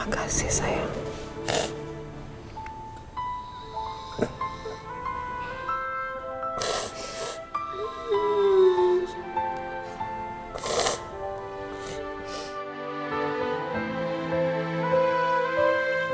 aku sudah mampu